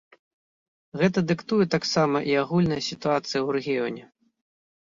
Гэта дыктуе таксама і агульная сітуацыя ў рэгіёне.